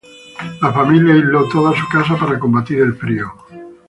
La familia aisló toda su casa para combatir el frío.